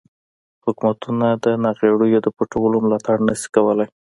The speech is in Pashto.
حکومتونه د ناغیړیو د پټولو ملاتړ نشي کولای.